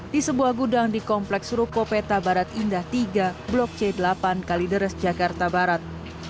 di sebuah gudang di kompleks ruko peta barat indah tiga blok c delapan kalideres jakarta barat